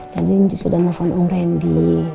tadi sudah nelfon om randy